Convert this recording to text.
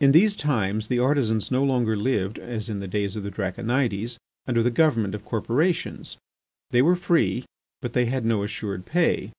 In these times the artisans no longer lived, as in the days of the Draconides, under the government of corporations. They were free, but they had no assured pay.